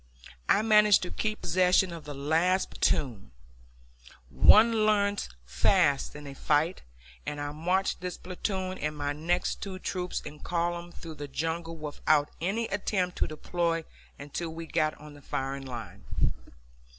I managed to keep possession of the last platoon. One learns fast in a fight, and I marched this platoon and my next two troops in column through the jungle without any attempt to deploy until we got on the firing line.